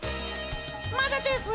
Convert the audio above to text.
まだです！